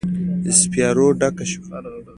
د سیپارو ډکه شوه